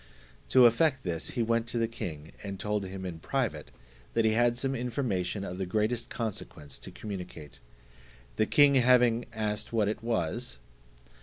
To effect this, he went to the king, and told him in private, that he had some information of the greatest consequence to communicate. The king having asked what it was?